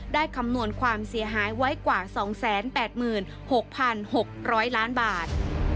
คำนวณความเสียหายไว้กว่า๒๘๖๖๐๐ล้านบาท